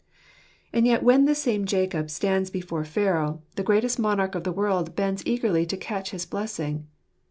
And yet when this same Jacob stands before Pharaoh, ^aroir Westell 139 the greatest monarch of the world bends eagerly to catch his blessing.